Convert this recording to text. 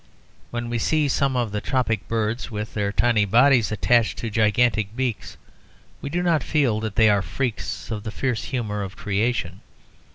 When we see some of the tropic birds, with their tiny bodies attached to gigantic beaks, we do not feel that they are freaks of the fierce humour of Creation.